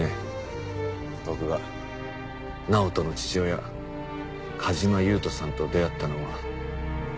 僕が直人の父親梶間優人さんと出会ったのは。